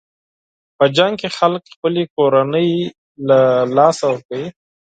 په جنګ کې خلک خپلې کورنۍ له لاسه ورکوي.